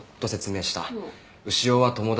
潮は友達。